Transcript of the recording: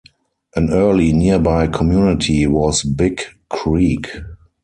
An early nearby community was Big Creek.